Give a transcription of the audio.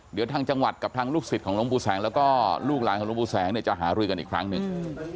เดี๋ยวทางจังหวัดกับทางลูกศิษย์ของหลวงปู่แสงแล้วก็ลูกหลานของหลวงปู่แสงเนี่ยจะหารือกันอีกครั้งหนึ่ง